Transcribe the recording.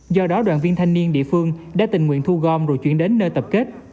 do đó đoàn viên thanh niên địa phương đã tình nguyện thu gom rồi chuyển đến nơi tập kết